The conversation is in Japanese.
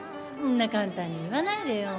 んな簡単に言わないでよ。